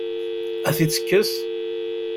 Ad t-id-tekkes?